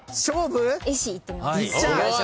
「絵師」いってみます。